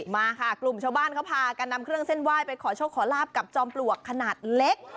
มาค่ะกลุ่มชาวบ้านเขาพากันนำเครื่องเส้นไหว้ไปขอโชคขอลาบกับจอมปลวกขนาดเล็ก